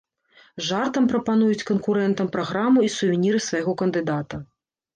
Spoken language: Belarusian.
Жартам прапануюць канкурэнтам праграму і сувеніры свайго кандыдата.